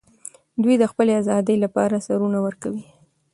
دوی د خپلې ازادۍ لپاره سرونه ورکوي.